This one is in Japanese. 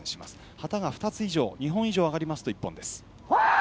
旗が２本以上上がりますと１本です。